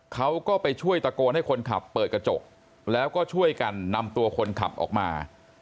เขาก็ไปช่วยตะโกนให้คนขับเปิดกระจกแล้วก็ช่วยกันนำตัวคนขับออกมา